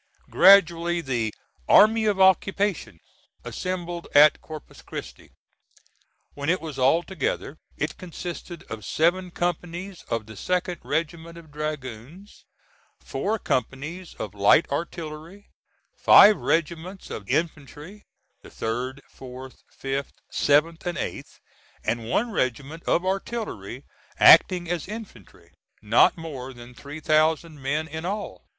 Gradually the "Army of Occupation" assembled at Corpus Christi. When it was all together it consisted of seven companies of the 2d regiment of dragoons, four companies of light artillery, five regiments of infantry the 3d, 4th, 5th, 7th and 8th and one regiment of artillery acting as infantry not more than three thousand men in all.